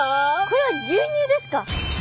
これは牛乳ですか？